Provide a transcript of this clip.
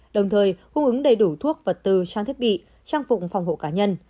đồng thời cung ứng đầy đủ thuốc vật tư trang thiết bị trang phụng phòng hộ cá nhân